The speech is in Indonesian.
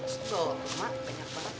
situ rumah banyak banget